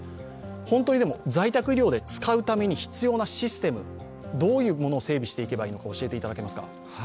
本当に在宅医療で使うために必要なシステム、どういうものを整備していけばいいのか教えていただけますか？